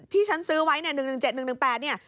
ที่ฉันซื้อไว้เนี่ย๑๑๗๑๑๘เนี่ย